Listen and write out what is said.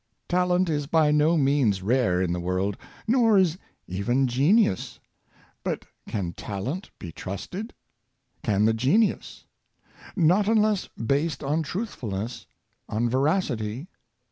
Talent is by no means rare in the world; nor is even 5 66 Reliableness, genius. But can the talent be trusted? Can the genius ? Not unless based on truthfulness — on veracity.